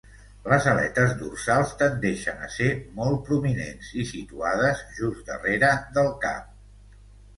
Les aletes dorsals tendeixen a ser molt prominents i situades just darrere del cap.